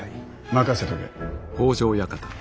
任せとけ。